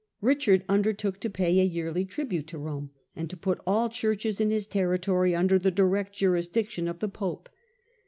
Richard undertook to pay a yearly tribute to Rome, and to put all churches in his territory under the direct jurisdiction of the pope.